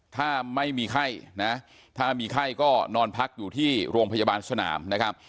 ถ้าไม่มีไข้นะถ้ามีไข้ก็นอนพักอยู่ที่โรงพยาบาลสนามนะครับ